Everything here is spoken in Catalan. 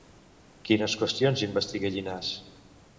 Quines qüestions investiga Llinàs?